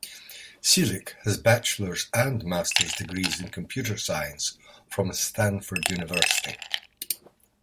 Celik has bachelor's and master's degrees in computer science from Stanford University.